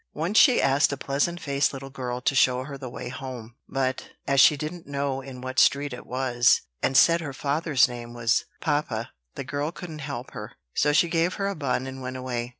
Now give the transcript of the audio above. Once she asked a pleasant faced little girl to show her the way home; but, as she didn't know in what street it was, and said her father's name was "papa," the girl couldn't help her: so she gave her a bun and went away.